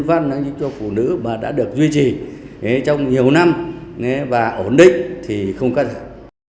văn giúp cho phụ nữ mà đã được duy trì trong nhiều năm và ổn định thì không cắt giảm